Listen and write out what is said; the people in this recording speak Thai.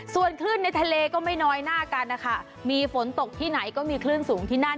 ส่วนคลื่นในทะเลก็ไม่น้อยหน้ากันนะคะมีฝนตกที่ไหนก็มีคลื่นสูงที่นั่น